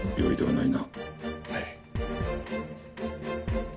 はい。